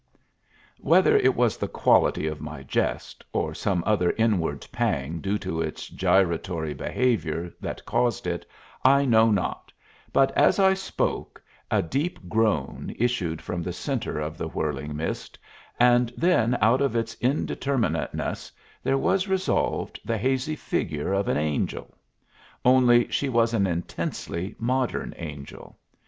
Whether it was the quality of my jest, or some other inward pang due to its gyratory behavior, that caused it I know not, but as I spoke a deep groan issued from the centre of the whirling mist, and then out of its indeterminateness there was resolved the hazy figure of an angel only, she was an intensely modern angel.